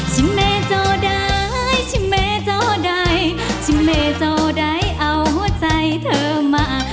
ชิมเมจอดายชิมเมจอดายชิมเมจอดายเอาใจเธอมา